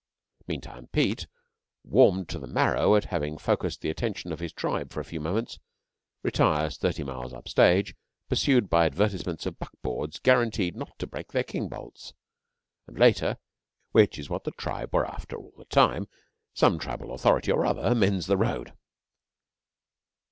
Meantime Pete, warmed to the marrow at having focussed the attention of his tribe for a few moments, retires thirty miles up stage, pursued by advertisements of buckboards guaranteed not to break their king bolts, and later (which is what the tribe were after all the time) some tribal authority or other mends the road.